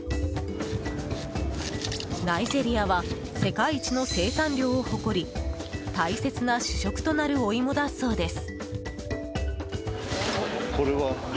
ナイジェリアは世界一の生産量を誇り大切な主食となるお芋だそうです。